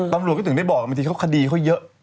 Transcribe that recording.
ตำรวจก็ถึงได้บอกบางทีเขาคดีเขาเยอะ